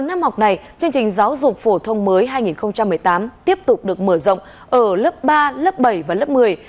bốn năm học này chương trình giáo dục phổ thông mới hai nghìn một mươi tám tiếp tục được mở rộng ở lớp ba lớp bảy và lớp một mươi